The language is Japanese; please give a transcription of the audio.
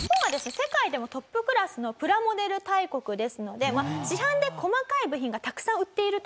世界でもトップクラスのプラモデル大国ですので市販で細かい部品がたくさん売っていると。